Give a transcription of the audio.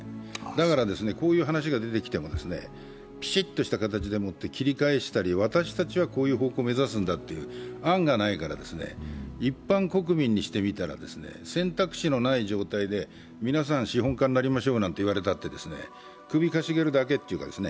だからこういう話が出てきてもぴしっとした形でもって切り返したり、私たちはこういう方向を目指すんだという案がないから一般国民にしてみたら選択肢のない状態で皆さん資本家になりましょうって言われたって首傾げるだけというか。